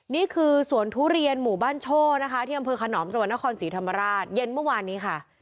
นี่คือสวนทุเรียนหมู่บ้านโช่นะคะที่อำเภอขนอมจังหวัดนครศรีธรรมราชเย็นเมื่อวานนี้ค่ะ